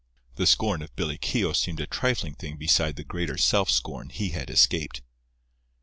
The scorn of Billy Keogh seemed a trifling thing beside the greater self scorn he had escaped.